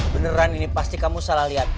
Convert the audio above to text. beneran ini pasti kamu salah lihat